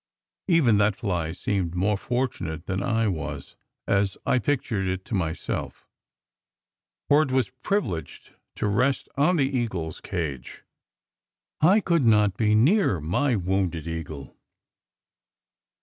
Even that fly seemed more fortunate than I was, as I pictured it to myself. For it was privileged to rest on the eagle s cage. I could not be near my wounded eagle